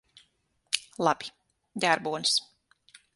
Labi. Ģērbonis.